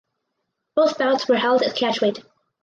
Both bouts were held at catchweight.